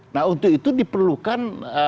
nah untuk itu diperlukan